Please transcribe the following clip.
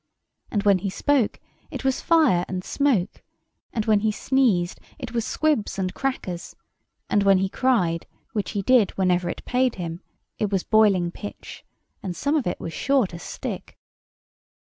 And when he spoke, it was fire and smoke; and when he sneezed, it was squibs and crackers; and when he cried (which he did whenever it paid him), it was boiling pitch; and some of it was sure to stick.